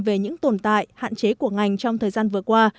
về những tồn tại hạn chế của ngành trong thời gian vừa qua